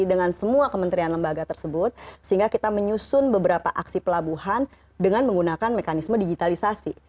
dengan semua kementerian lembaga tersebut sehingga kita menyusun beberapa aksi pelabuhan dengan menggunakan mekanisme digitalisasi